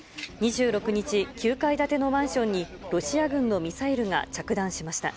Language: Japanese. ２６日、９階建てのマンションに、ロシア軍のミサイルが着弾しました。